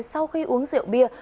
sau khi uống rượu bia